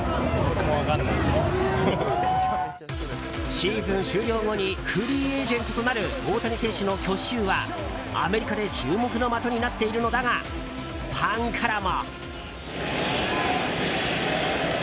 シーズン終了後にフリーエージェントとなる大谷選手の去就は、アメリカで注目の的になっているのだがファンからも。